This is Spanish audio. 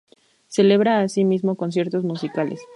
Celebra asimismo conciertos musicales.